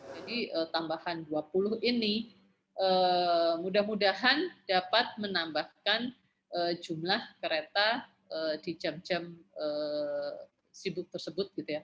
jadi tambahan dua puluh ini mudah mudahan dapat menambahkan jumlah kereta di jam jam sibuk tersebut